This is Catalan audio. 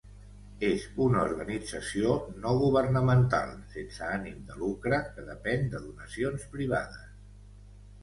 És una organització no governamental, sense ànim de lucre, que depèn de donacions privades.